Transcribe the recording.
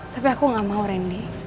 tapi aku gak mau randy